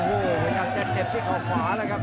โอ้โหยังจะเจ็บที่เอาขวาแล้วครับ